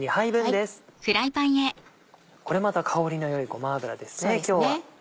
これまた香りの良いごま油ですね今日は。